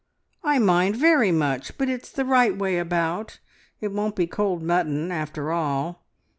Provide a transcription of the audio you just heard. I mind very much; but it's the right way about; it won't be cold mutton, after all!